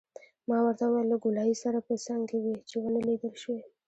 ما ورته وویل: له ګولایي سره په څنګ کې وې، چې ونه لیدل شوې.